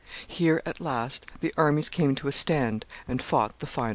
Here at last the armies came to a stand and fought the final battle.